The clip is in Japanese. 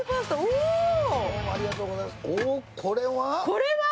これは？